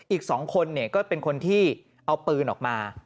อีก๒คนก็เป็นคนที่เอาปืนออกมา